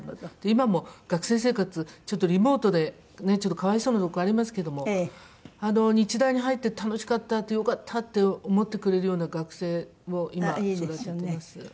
今も学生生活リモートでねちょっと可哀想なとこありますけども日大に入って楽しかったよかったって思ってくれるような学生を今育ててます。